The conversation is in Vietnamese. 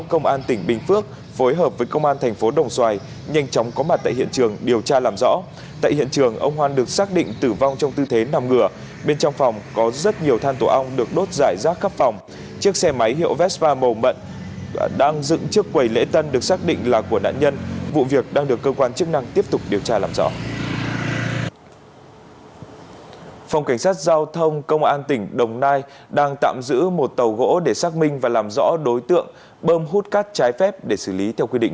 công an tỉnh bình phước hiện đang phối hợp với công an thành phố đồng xoài tổ chức khám nghiệm hiện trường khám nghiệm tử thi điều tra làm rõ cái chết của ông lưu nguyễn công hoan ba mươi năm tuổi giám đốc trung tâm anh ngữ hoan ba mươi năm tuổi giám đốc trung tâm anh ngữ hoan ba mươi năm tuổi giám đốc trung tâm anh ngữ hoan